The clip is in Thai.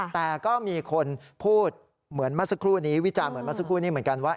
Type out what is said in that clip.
แต่ก็มีคนพูดเหมือนเมื่อสักครู่นี้วิจารณ์เหมือนเมื่อสักครู่นี้เหมือนกันว่า